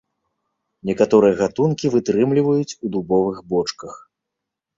Некаторыя гатункі вытрымліваюць ў дубовых бочках.